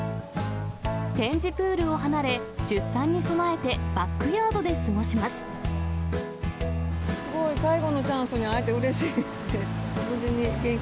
展示プールを離れ、出産に備えてすごい最後のチャンスに会えてうれしいですね。